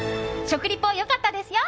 食リポ良かったですよ！